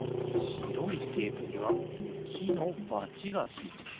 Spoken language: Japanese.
しろいテープにはきのバチがついてる。